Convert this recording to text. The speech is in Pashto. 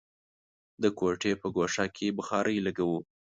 د کوټې په ګوښه کې بخارۍ لګوو.